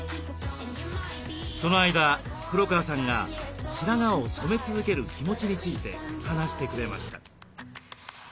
その間黒川さんが白髪を染め続ける気持ちについて話してくれました。